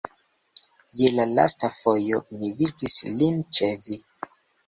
Je la lasta fojo mi vidis lin ĉe vi.